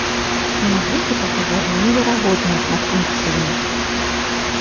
Музыкі паказалі неверагодную шматфункцыйнасць.